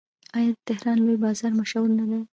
آیا د تهران لوی بازار مشهور نه دی؟